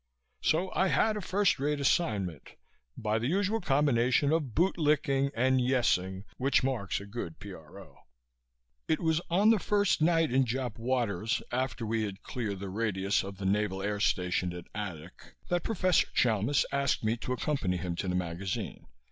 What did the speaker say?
So I had a first rate assignment, by the usual combination of boot licking and "yessing" which marks a good P.R.O. It was on the first night in Jap waters, after we had cleared the radius of the Naval Air Station at Adak, that Professor Chalmis asked me to accompany him to the magazine.